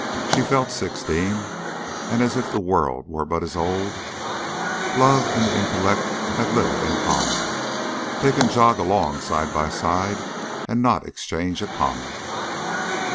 She felt sixteen, and as if the world were but as old. Love and the intellect have little in common. They can jog along side by side and not exchange a comment.